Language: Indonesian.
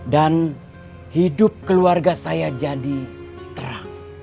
hidup keluarga saya jadi terang